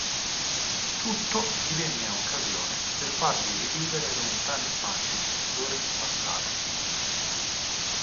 Tutto divenne occasione per fargli rivivere lontane immagini di giorni passati.